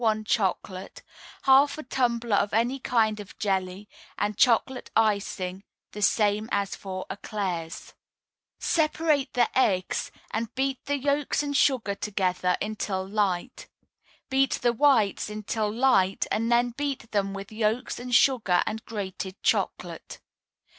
1 Chocolate, half a tumbler of any kind of jelly, and chocolate icing the same as for éclairs. Separate the eggs, and beat the yolks and sugar together until light. Beat the whites until light, and then beat them with yolks and sugar and grated chocolate.